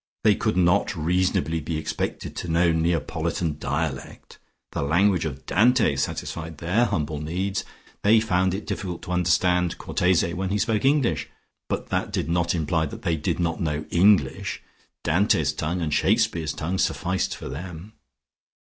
They could not reasonably be expected to know Neapolitan dialect; the language of Dante satisfied their humble needs. They found it difficult to understand Cortese when he spoke English, but that did not imply that they did not know English. Dante's tongue and Shakespeare's tongue sufficed them....